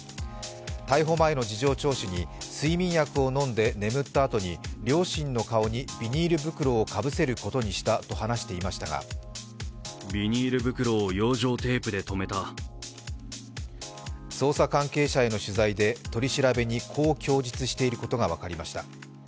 逮捕前の事情聴取に睡眠薬を飲んで眠ったあとに、両親の顔にビニール袋をかぶせることにしたと話していましたが捜査関係者への取材で取り調べにこう供述していることが分かりました。